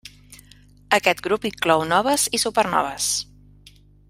Aquest grup inclou noves i supernoves.